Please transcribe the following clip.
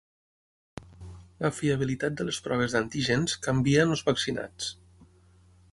La fiabilitat de les proves d’antígens canvia en els vaccinats.